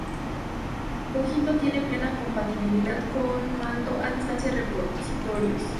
Cogito tiene plena compatibilidad con mando a distancia repositorios Git.